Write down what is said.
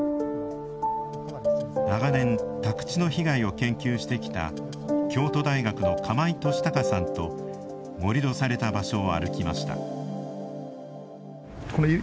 長年宅地の被害を研究してきた京都大学の釜井俊孝さんと盛土された場所を歩きました。